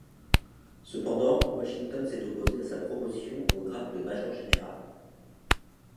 Cependant, Washington s'est opposé à sa promotion au grade de major général.